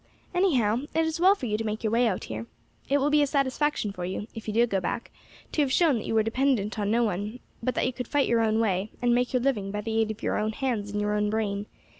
Anyhow, it is well for you to make your way out here. It will be a satisfaction for you, if you do go back, to have shown that you were dependent on no one, but that you could fight your own way, and make your living by the aid of your own hands and your own brain.